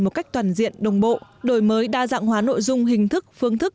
một cách toàn diện đồng bộ đổi mới đa dạng hóa nội dung hình thức phương thức